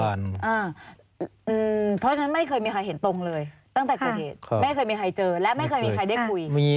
เพราะฉะนั้นไม่เคยมีใครเห็นตรงเลยตั้งแต่เกิดเหตุไม่เคยมีใครเจอและไม่เคยมีใครได้คุย